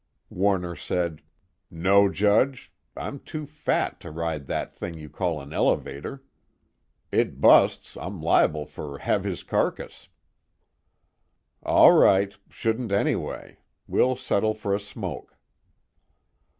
Warner said: "No, Judge, I'm too fat to ride that thing you call an elevator. It busts, I'm liable for have his carcass." "All right shouldn't anyway. We'll settle for a smoke."